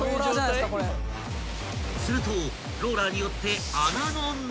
［するとローラーによって］